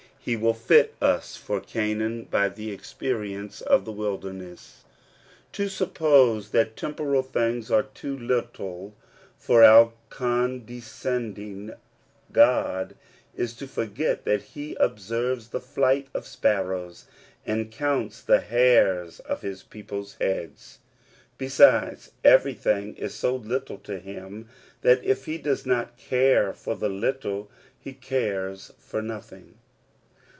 K^"^^? will fit us for Canaan by the experience of tl^^^^ wilderness. To suppose that temporal things are too little ^^ for our condescending God, is to forget that h^^" ^ observes the flight of sparrows, and counts th^^^ hairs of his people's heads. Besides, everything ij so little to him, that, if he does not care for the little, he cares for nothing.